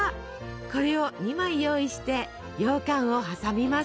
これを２枚用意してようかんを挟みます。